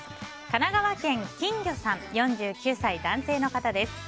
神奈川県の４９歳男性の方です。